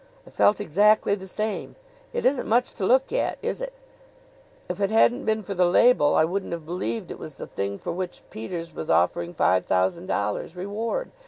"I felt exactly the same. It isn't much to look at, is it? If it hadn't been for the label I wouldn't have believed it was the thing for which Peters was offering five thousand dollars' reward.